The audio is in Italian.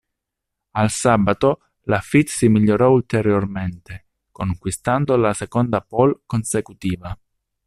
Al sabato Laffite si migliorò ulteriormente, conquistando la seconda "pole" consecutiva.